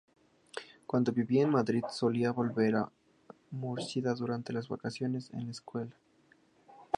Cuando vivía en Madrid, solía volver a Murcia durante las vacaciones en la Escuela.